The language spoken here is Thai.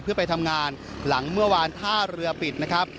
เพื่อไปทำงานหลังเมื่อวานท่าเรือปิดนะครับ